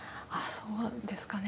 そうですかね。